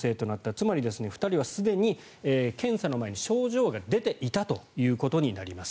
つまり、２人はすでに検査の前に症状が出ていたということになります。